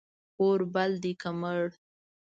اور بل دی که مړ